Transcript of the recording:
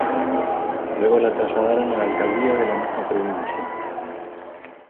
Luego la trasladaron a la Alcaldía de la misma provincia.